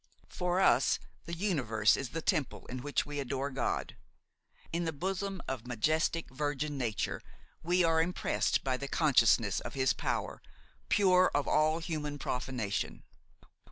For us the universe is the temple in which we adore God. In the bosom of majestic, virgin nature we are impressed by the consciousness of His power, pure of all human profanation.